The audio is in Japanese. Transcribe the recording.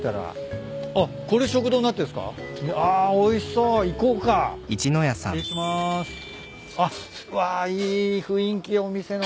うわいい雰囲気お店の。